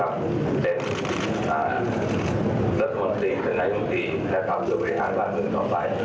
อะและคุณหมดฤทธิคดินายมุมมีถ้าครอบคุณได้เว้นทางบ้านมือต่อไป